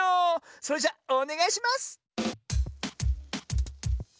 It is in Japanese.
それじゃおねがいします！